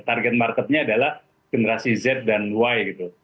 target marketnya adalah generasi z dan y gitu